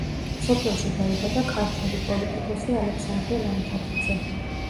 სოფელში დაიბადა ქართველი პოლიტიკოსი ალექსანდრე ლომთათიძე.